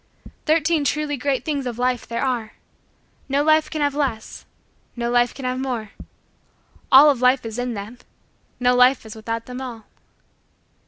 Thirteen Truly Great Things of Life there are. No life can have less. No life can have more. All of life is in them. No life is without them all.